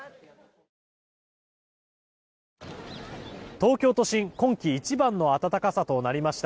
東京都心今季一番の暖かさとなりました。